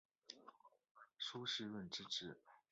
苏士润之侄。